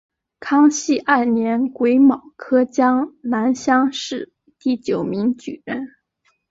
康熙二年癸卯科江南乡试第九名举人。